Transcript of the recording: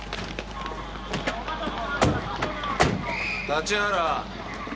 立原。